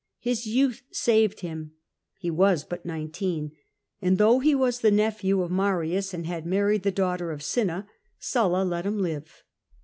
His youth saved him : he was but nineteen, aad though he was the nephew of Marius and had married the daughter of Oinna, Sulla let him live.